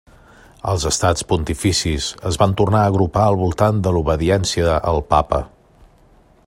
Els Estats Pontificis es van tornar a agrupar al voltant de l'obediència al Papa.